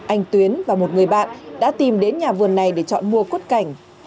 anh tuyến và một người bạn đã tìm đến nhà vườn này để chọn mua quất cảnh